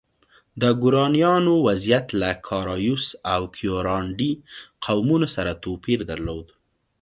د ګورانیانو وضعیت له کارایوس او کیورانډي قومونو سره توپیر درلود.